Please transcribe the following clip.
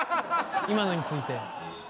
今のについて。